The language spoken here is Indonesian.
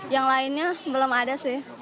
yang lainnya belum ada sih